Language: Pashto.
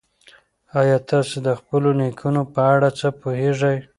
ایا تاسي د خپلو نیکونو په اړه څه پوهېږئ؟